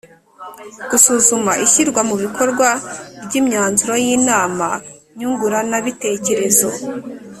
Gusuzuma ishyirwa mu bikorwa ry imyanzuro y inama nyunguranabitekerezo